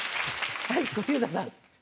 はい小遊三さん。